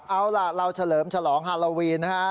เอาล่ะเราเฉลิมฉลองฮาโลวีนนะฮะ